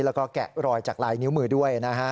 แล้วก็แกะรอยจากลายนิ้วมือด้วยนะฮะ